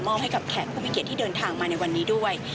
มอบให้กับแขกผู้พิเกิดที่เดินทางมาในวันนี้ด้วย